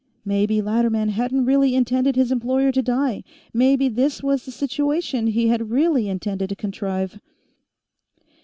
Maybe Latterman hadn't really intended his employer to die. Maybe this was the situation he had really intended to contrive.